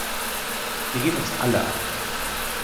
Sie geht uns alle an!